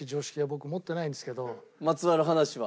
まつわる話は？